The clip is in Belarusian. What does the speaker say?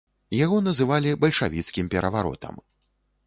Яго называлі бальшавіцкім пераваротам.